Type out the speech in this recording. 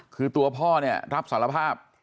คือตัวพ่อเนี่ยรับสารภาพ